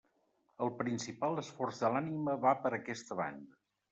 El principal esforç de l'ànima va per aquesta banda.